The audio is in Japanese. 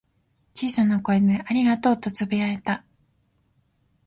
小さな声で「ありがとう」とつぶやいた。